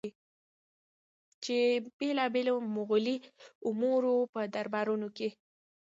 چې بېلابېلو مغولي امراوو په دربارونو کې